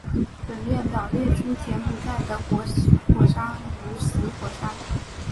本列表列出柬埔寨的活火山与死火山。